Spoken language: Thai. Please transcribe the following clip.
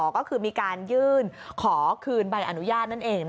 ก็คือมีการยื่นขอคืนใบอนุญาตนั่นเอง